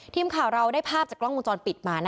ทีมข่าวเราได้ภาพจากกล้องวงจรปิดมา